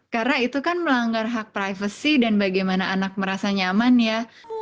karena itu kan melanggar hak privasi dan bagaimana anak merasa nyaman ya